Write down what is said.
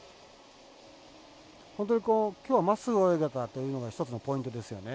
本当に、きょうはまっすぐ泳いだというのが１つのポイントですよね。